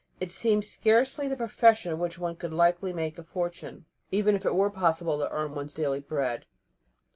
It seemed scarcely the profession in which one would be likely to make a fortune, even if it were possible to earn one's daily bread.